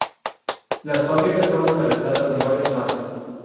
Las fábricas fueron realizadas en varias fases.